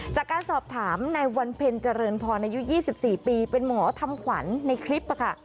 จากการสอบถามในวันเพ็ญเจริญพรอายุ๒๔ปีเป็นหมอทำขวัญในคลิปค่ะ